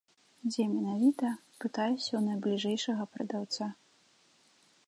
Дзе менавіта, пытаюся ў найбліжэйшага прадаўца.